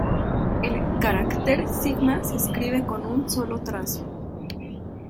El carácter の se escribe con un solo trazo.